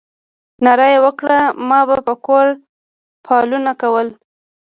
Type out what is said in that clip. ناره یې وکړه ما به په کور فالونه کول.